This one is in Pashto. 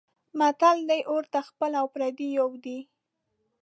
متل دی: اور ته خپل او پردی یو دی.